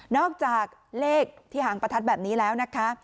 อกจากเลขที่หางประทัดแบบนี้แล้วนะคะ